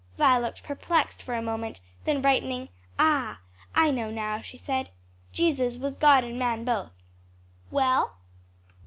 '" Vi looked perplexed for a moment, then brightening, "Ah, I know now,'" she said, "Jesus was God and man both.'" "Well?"